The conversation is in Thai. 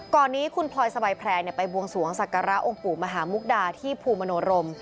ก่อนนี้คุณพลอยสบายแพร่ไปบวงสวงศักระองค์ปู่มหามุกดาที่ภูมิมโนรม